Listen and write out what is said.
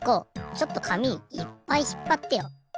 ちょっと紙いっぱいひっぱってよ。